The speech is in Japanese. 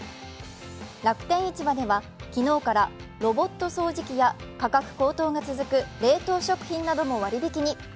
楽天市場では昨日からロボット掃除機や価格高騰が続く冷凍食品なども割引に。